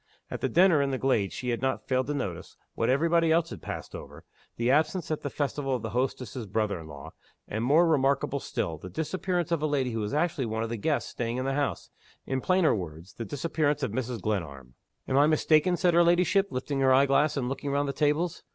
At the dinner in the glade she had not failed to notice what every body else had passed over the absence at the festival of the hostess's brother in law; and more remarkable still, the disappearance of a lady who was actually one of the guests staying in the house: in plainer words, the disappearance of Mrs. Glenarm. "Am I mistaken?" said her ladyship, lifting her eye glass, and looking round the tables.